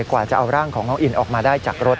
กว่าจะเอาร่างของน้องอินออกมาได้จากรถ